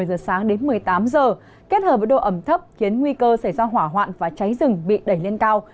một giờ sáng đến một mươi tám giờ kết hợp với độ ẩm thấp khiến nguy cơ xảy ra hỏa hoạn và cháy rừng bị đẩy lên cao